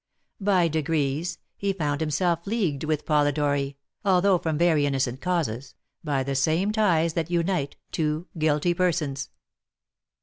By degrees, he found himself leagued with Polidori (although from very innocent causes) by the same ties that unite two guilty persons.